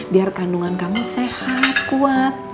biar kandungan kami sehat kuat